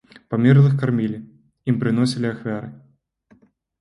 Памерлых кармілі, ім прыносілі ахвяры.